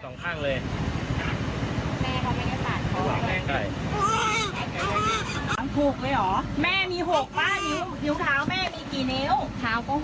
แหมมีหกป้านนิ้วคริวขาวแหมมีกี่นิ้ว